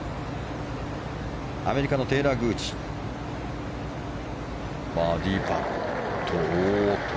アメリカのテイラー・グーチバーディーパット。